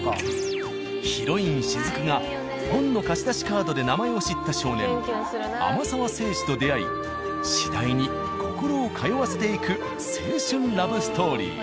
ヒロイン・雫が本の貸し出しカードで名前を知った少年天沢聖司と出会い次第に心を通わせていく青春ラブストーリー。